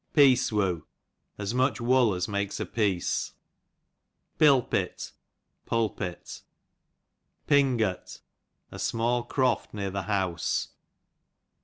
Piece woo, as much wool as makes a piece, Pilpit, pulpit. Pingot, a small crofty near the house.